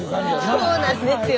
そうなんですよ。